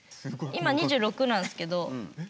今２６なんすけど。